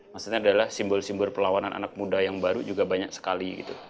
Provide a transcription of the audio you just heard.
maksudnya adalah simbol simbol perlawanan anak muda yang baru juga banyak sekali